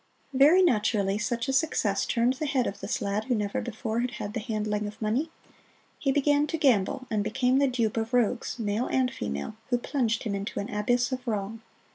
Very naturally, such a success turned the head of this lad who never before had had the handling of money. He began to gamble, and became the dupe of rogues male and female who plunged him into an abyss of wrong.